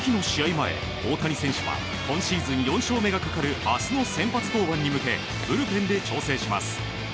前、大谷選手は今シーズン４勝目がかかる明日の先発登板に向けブルペンで調整します。